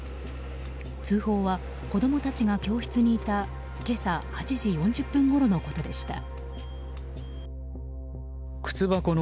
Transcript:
通報は子供たちが教室にいた今朝８時４０分ごろのことでした。